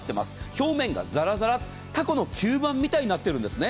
表面がザラザラタコの吸盤みたいになっているんですね。